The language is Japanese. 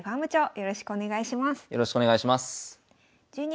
よろしくお願いします。